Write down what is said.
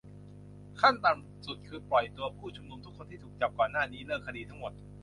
ขั้นต่ำสุดคือปล่อยตัวผู้ชุมนุมทุกคนที่ถูกจับก่อนหน้านี้ เลิกคดีทั้งหมด